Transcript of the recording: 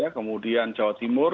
kemudian jawa timur